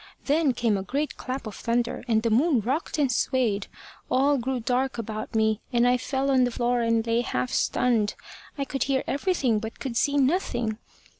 Then came a great clap of thunder, and the moon rocked and swayed. All grew dark about me, and I fell on the floor and lay half stunned. I could hear everything but could see nothing.